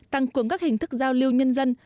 tăng cường các hình thức giao lưu nhân dân